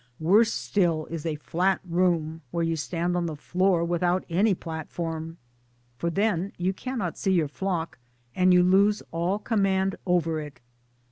iWorse still is a flat room where you stand on the floor without any platform ; for then you cannot see your flock, and you lose all command over it.